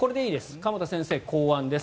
鎌田先生考案です。